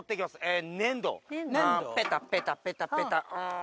ペタペタペタペタうん